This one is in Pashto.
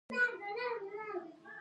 دروازې ساتونکی ورته وایي، ولې بهر وځې؟